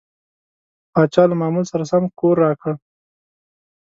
پاچا له معمول سره سم کور راکړ.